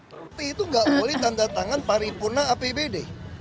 cuti itu nggak boleh tanda tangan paripuna apb d